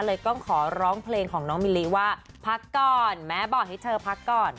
ต้องขอร้องเพลงของน้องมิลลิว่าพักก่อนแม้บอกให้เธอพักก่อน